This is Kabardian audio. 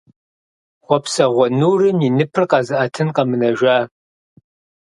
Хъуэпсэгъуэ нурым и ныпыр къэзыӀэтын къэмынэжа…